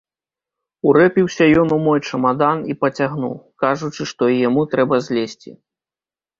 Урэпіўся ён у мой чамадан і пацягнуў, кажучы, што і яму трэба злезці.